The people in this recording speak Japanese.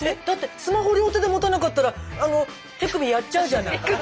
だってスマホ両手で持たなかったらあの手首やっちゃうじゃない。